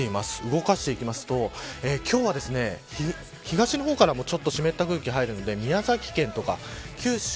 動かしていきますと今日は東の方からも湿った空気が入るので宮崎県とか九州